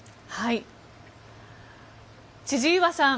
千々岩さん